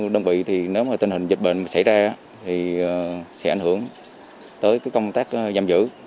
đơn vị thì nếu mà tình hình dịch bệnh xảy ra thì sẽ ảnh hưởng tới công tác giam giữ